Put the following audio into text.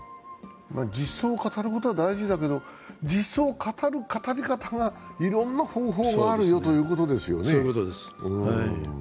実相を語るのは大事だけど、実相を語る語り方がいろんな方法があるよということですよね。